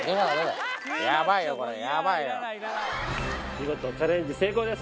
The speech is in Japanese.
見事チャレンジ成功です